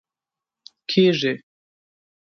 کېږي